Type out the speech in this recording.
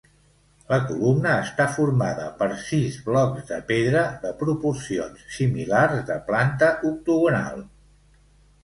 La columna està formada per sis blocs de pedra, de proporcions similars, de planta octogonal.